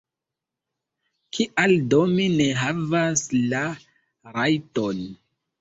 Kial do mi ne havas la rajton?